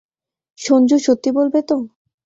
সঞ্জু সত্যি বলবে তো?